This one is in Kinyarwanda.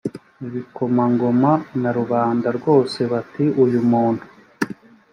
ibikomangoma na rubanda rwose bati uyu muntu